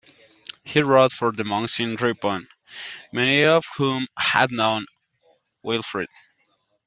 He wrote for the monks in Ripon, many of whom had known Wilfrid.